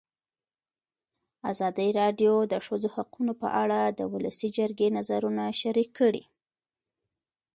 ازادي راډیو د د ښځو حقونه په اړه د ولسي جرګې نظرونه شریک کړي.